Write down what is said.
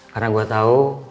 karena gue tau